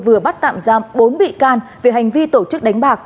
vừa bắt tạm giam bốn bị can về hành vi tổ chức đánh bạc